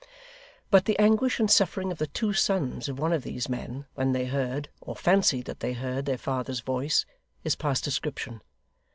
But the anguish and suffering of the two sons of one of these men, when they heard, or fancied that they heard, their father's voice, is past description.